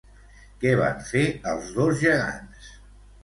Què van fer els dos gegants?